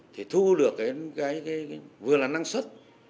thì thu được cái vừa là năng suất